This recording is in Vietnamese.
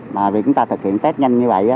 mà việc chúng ta thực hiện test nhanh như vậy